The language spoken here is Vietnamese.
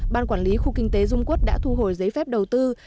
ban quản lý khu kinh tế dung quốc đã thu hồi giấy phép đầu tư